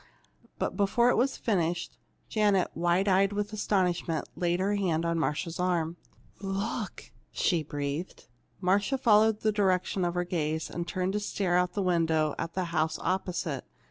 But before it was half finished, Janet, wide eyed with astonishment, laid her hand on Marcia's arm. "Look!" she breathed. Marcia followed the direction of her gaze, and turned to stare out of the window at the house opposite.